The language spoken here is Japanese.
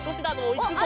いくぞ。